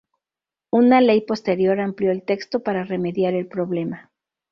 Una ley posterior amplió el texto para remediar el problema.